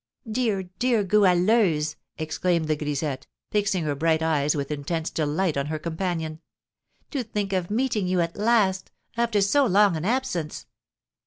"Dear, dear Goualeuse!" exclaimed the grisette, fixing her bright eyes with intense delight on her companion. "To think of meeting you at last, after so long an absence!"